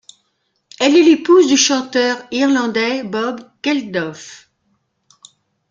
Elle est l'épouse du chanteur irlandais Bob Geldof.